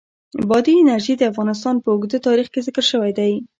بادي انرژي د افغانستان په اوږده تاریخ کې ذکر شوی دی.